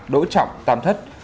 đỗ trọng tam thất